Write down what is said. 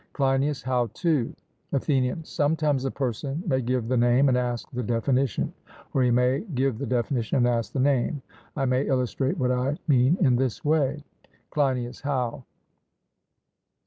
CLEINIAS: How two? ATHENIAN: Sometimes a person may give the name and ask the definition; or he may give the definition and ask the name. I may illustrate what I mean in this way. CLEINIAS: How?